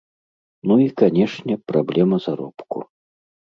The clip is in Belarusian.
Ну і, канешне, праблема заробку.